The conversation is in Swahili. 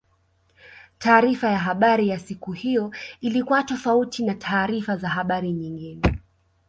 taarifa ya habari ya siku hiyo ilikuwa tofauti na taarifa za habari nyingine